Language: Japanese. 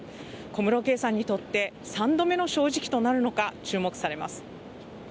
小室圭さんにとって３度目の正直となるのか注目されます。